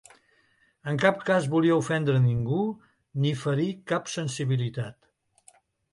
En cap cas volia ofendre ningú ni ferir cap sensibilitat.